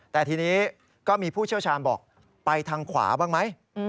แต่ทีนี้ก็มีผู้เชี่ยวชาญบอกไปทางขวาบ้างไหม